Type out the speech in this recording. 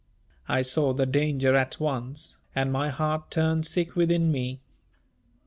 I saw the danger at once, and my heart turned sick within me.